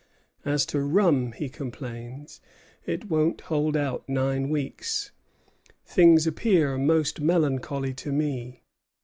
"As to rum," he complains, "it won't hold out nine weeks. Things appear most melancholy to me."